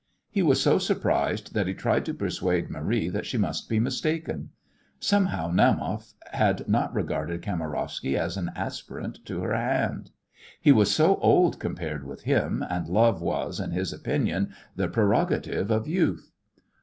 He was so surprised that he tried to persuade Marie that she was mistaken. Somehow Naumoff had not regarded Kamarowsky as an aspirant to her hand. He was so old compared with him, and love was, in his opinion, the prerogative of youth.